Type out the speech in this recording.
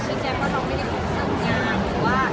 ช่องความหล่อของพี่ต้องการอันนี้นะครับ